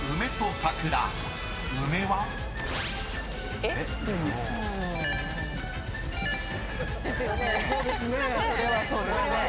それはそうですね。